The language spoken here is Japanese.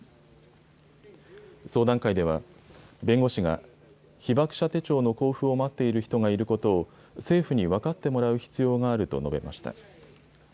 相談会では、弁護士が、被爆者手帳の交付を待っている人がいることを、政府に分かってもらう必要があると述べました。